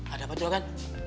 ada apa juragan